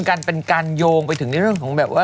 ว่าเป็นการโยงไปถึงเรื่องของ